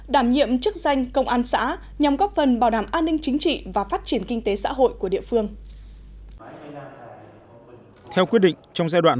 đảm nhiệm chức danh công an xã nhằm góp phần bảo đảm an ninh chính trị và phát triển kinh tế xã hội của địa phương